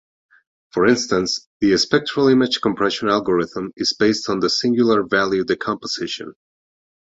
For instance, the spectral image compression algorithm is based on the singular value decomposition.